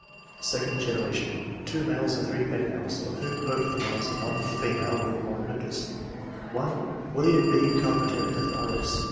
Second generation. — 2 males and 3 females,' of whom both the males and 1 female requii'e notice :— (l) William B. Carpenter, F.R.S.